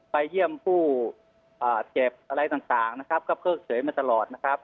เยี่ยมผู้เจ็บอะไรต่างนะครับก็เพิกเฉยมาตลอดนะครับ